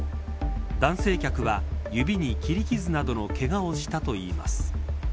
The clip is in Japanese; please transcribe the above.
男性客は、指に切り傷などのけがをしたといいます。